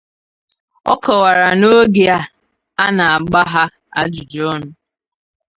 Ọ kọwara na oge a na-agba ha ajụjụọnụ